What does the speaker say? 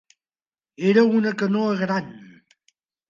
Era una canoa gran.